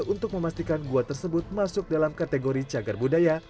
untuk memastikan gua tersebut masuk dalam kategori cagar budaya